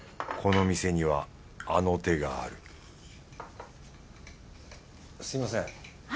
この店にはあの手があるすみません。